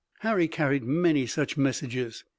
Harry carried many such messages.